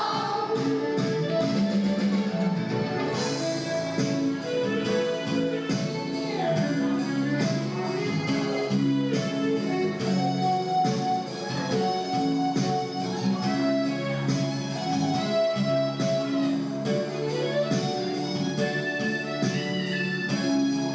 เราเหมือนนักฟ้าที่โดยอย่างคนเราทุกคนคือบรรยาที่โลกขึ้นมา